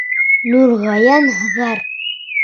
Нурғаян ғәр.